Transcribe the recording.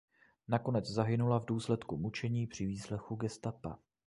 Nakonec zahynula v důsledku mučení při výslechu gestapa.